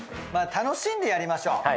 まあ楽しんでやりましょう。